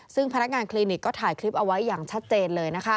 ซึ่งพนักงานคลินิกก็ถ่ายคลิปเอาไว้อย่างชัดเจนเลย